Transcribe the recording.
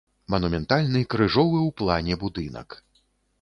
Манументальны крыжовы ў плане будынак.